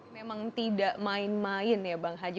memang tidak main main ya bang haji